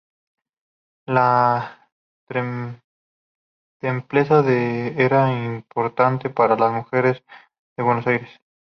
La templanza era importante para las mujeres de Buenos Aires.